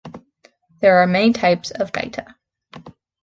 There are many types of Gaita.